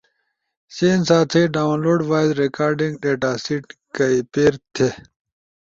چین سا تھئی ڈاونلوڈ وائس ریکارڈنگ ڈیٹاسیٹ کئی پیر تھئی۔